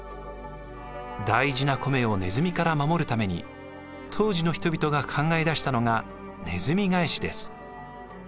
大事な米をねずみから守るために当時の人々が考え出したのがねずみ返しです。